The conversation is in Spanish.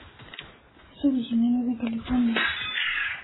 Es originario de California.